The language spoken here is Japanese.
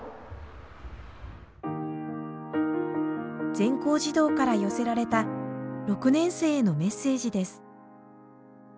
全校児童から寄せられた６年生へのメッセージです。